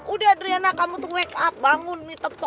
udah adriana kamu tuh wake up bangun